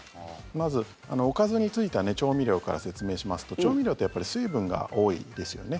まず、おかずについては調味料から説明しますと調味料ってやっぱり水分が多いですよね。